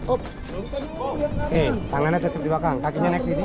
oke tangannya tetap di belakang kakinya naik di sini